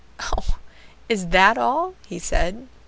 "Oh! is that all?" he said.